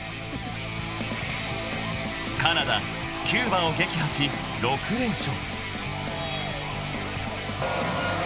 ［カナダキューバを撃破し６連勝］